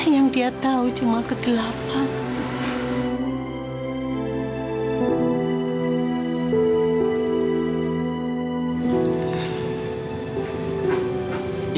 yang dia tahu cuma kegelapan